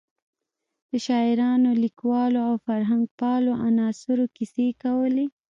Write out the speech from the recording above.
د شاعرانو، لیکوالو او فرهنګپالو عناصرو کیسې کولې.